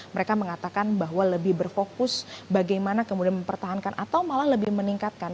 mereka mengatakan bahwa lebih berfokus bagaimana kemudian mempertahankan atau malah lebih meningkatkan